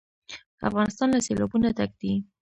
افغانستان له سیلابونه ډک دی.